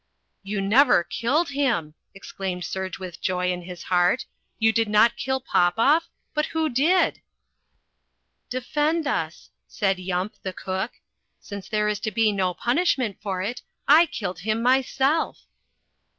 "You never killed him!" exclaimed Serge with joy in his heart. "You did not kill Popoff? But who did?" "Defend us," said Yump, the cook. "Since there is to be no punishment for it, I killed him myself."